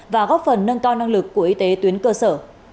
và góp phần nâng cao năng lực của y tế tuyến cơ sở